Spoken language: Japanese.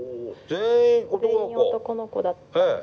全員男の子だったんです。